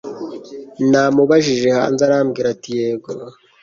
Namubajije hanze arambwira ati yego